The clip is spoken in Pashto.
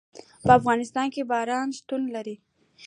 په افغانستان کې باران شتون لري.